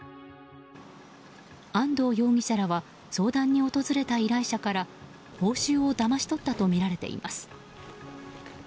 安藤容疑者らは相談に訪れた依頼者から報酬をだまし取ったとみられています。